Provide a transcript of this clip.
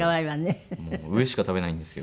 上しか食べないんですよ。